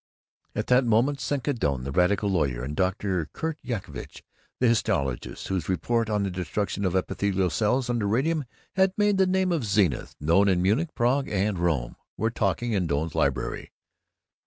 V At that moment Seneca Doane, the radical lawyer, and Dr. Kurt Yavitch, the histologist (whose report on the destruction of epithelial cells under radium had made the name of Zenith known in Munich, Prague, and Rome), were talking in Doane's library.